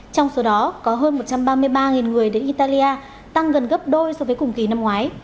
trong số đó có hơn một trăm ba mươi ba người đến italia tăng gần gấp đôi so với cùng kỳ năm ngoái